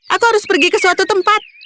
aku harus pergi ke suatu tempat